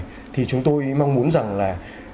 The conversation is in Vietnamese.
vậy thì chúng tôi mong muốn rằng là